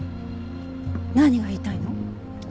何が言いたいの？